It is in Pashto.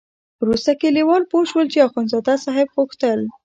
وروسته کلیوال پوه شول چې اخندزاده صاحب غوښتل.